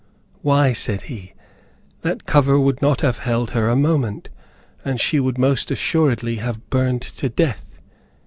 "Why," said he, "that cover would not have held her a moment, and she would most assuredly have burned to death."